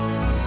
tapi itu sama